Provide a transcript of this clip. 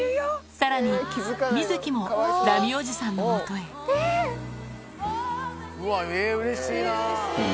さらにミズキもラミおじさんのもとへうわうれしいな。